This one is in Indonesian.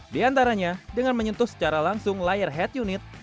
di antaranya dengan menyentuh secara langsung layar head unit